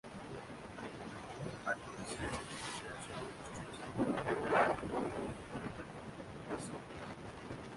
At its height, the storm stretched from Canada to the Gulf of Mexico.